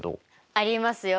ありますよ！